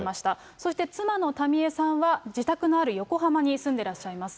そして妻の民江さんは、自宅のある横浜に住んでらっしゃいます。